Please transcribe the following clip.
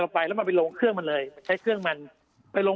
ไปแล้วมันไปลงเครื่องมันเลยใช้เครื่องมันไปลง